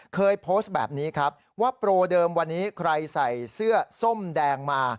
เคยโพสต์แบบนี้ครับว่าโปรเดิมวันนี้ใครใส่เสื้อส้มแดงมา